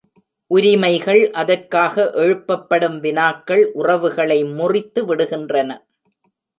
உரிமைகள் அதற்காக எழுப்பப்படும் வினாக்கள் உறவுகளை முறித்து விடுகின்றன.